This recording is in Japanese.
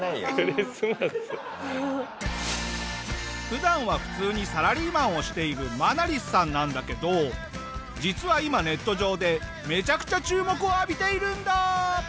普段は普通にサラリーマンをしているマナリスさんなんだけど実は今ネット上でめちゃくちゃ注目を浴びているんだ！